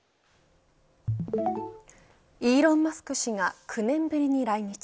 イーロン・マスク氏が９年ぶりに来日。